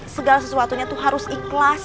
segala sesuatunya itu harus ikhlas